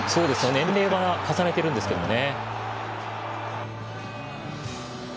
年齢は重ねているんですけどね。